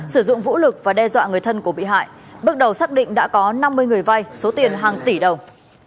sử dụng vũ lực và đe dọa người thân của bị hại bước đầu xác định đã có năm mươi người vai số tiền hàng tỷ đồng